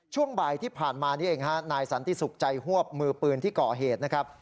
ช่วงบ่ายที่ผ่านมานี่เองฮะนายสันติสุขใจฮวบมือปืนที่ก่อเหตุนะครับ